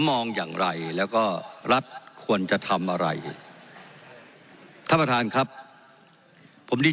มองอย่างไรแล้วก็รัฐควรจะทำอะไรท่านประธานครับผมได้